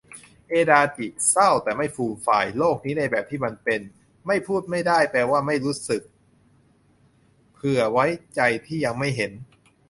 อาดาจิ เศร้า แต่ไม่ฟูมฟาย โลกนี้ในแบบที่มันเป็น ไม่พูดไม่ได้แปลว่าไม่รู้สึก เผื่อใจไว้ที่ยังไม่เห็น